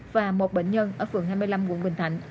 và một bệnh nhân ở phường hai mươi năm quận bình thạnh